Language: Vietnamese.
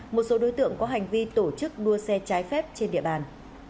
một số đối tượng có hành vi tổ chức đua xe trái phép trên địa bàn